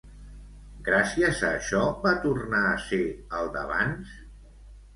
Gràcies a això, va tornar a ser el d'abans?